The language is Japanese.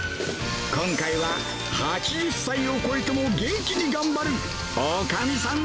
今回は、８０歳を超えても元気に頑張るおかみさん